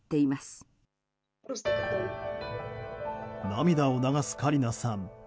涙を流すカリナさん。